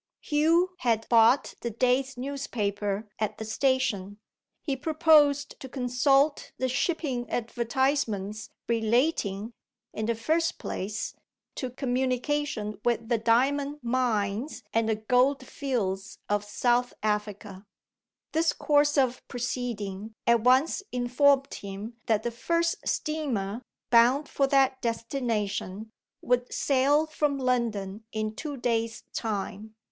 Hugh had bought the day's newspaper at the station. He proposed to consult the shipping advertisements relating, in the first place, to communication with the diamond mines and the goldfields of South Africa. This course of proceeding at once informed him that the first steamer, bound for that destination, would sail from London in two days' time.